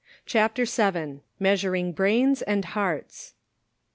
CHAPTER VII. MEASURING BRAINS AND HEARTS.